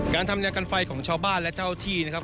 การทำยากันไฟของชาวบ้านและเจ้าที่นะครับ